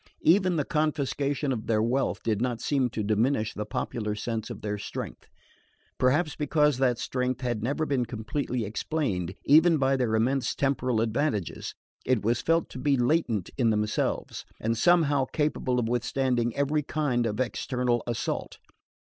Even the confiscation of their wealth did not seem to diminish the popular sense of their strength. Perhaps because that strength had never been completely explained, even by their immense temporal advantages, it was felt to be latent in themselves, and somehow capable of withstanding every kind of external assault.